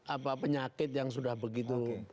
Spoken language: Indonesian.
apa penyakit yang sudah begitu